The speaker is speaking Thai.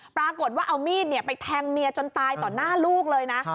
ปรากฏว่าเอามีดไปแทงเมียจนตายต่อหน้าลูกเลยนะ